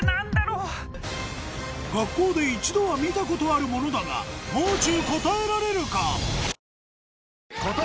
学校で一度は見たことあるものだが「もう中」